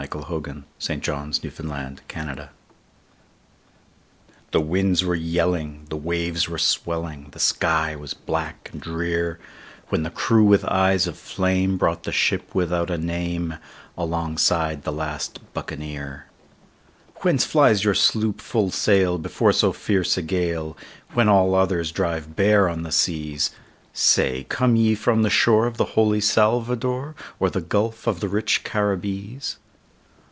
Thomas Babbington Macaulay The Last Buccaneer THE winds were yelling, the waves were swelling, The sky was black and drear, When the crew with eyes of flame brought the ship without a name Alongside the last Buccaneer. "Whence flies your sloop full sail before so fierce a gale, When all others drive bare on the seas? Say, come ye from the shore of the holy Salvador, Or the gulf of the rich Caribbees?"